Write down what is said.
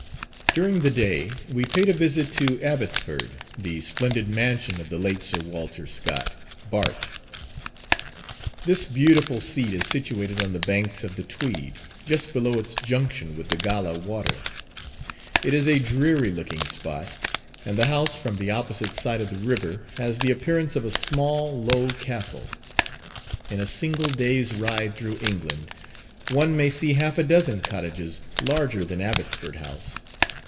During the day, we paid a visit to Abbotsford, the splendid mansion of the late Sir Walter Scott, Bart. This beautiful seat is situated on the banks of the Tweed, just below its junction with the Gala Water. It is a dreary looking spot, and the house from the opposite side of the river has the appearance of a small, low castle. In a single day's ride through England, one may see half a dozen cottages larger than Abbotsford House.